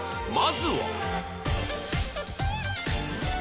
まずは